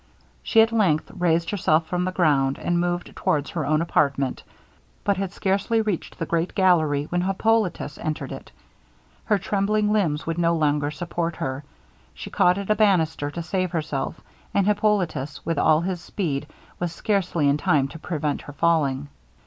She at length raised herself from the ground, and moved towards her own apartment, but had scarcely reached the great gallery, when Hippolitus entered it. Her trembling limbs would no longer support her; she caught at a bannister to save herself; and Hippolitus, with all his speed, was scarcely in time to prevent her falling.